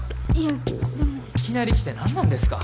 いきなり来て何なんですか？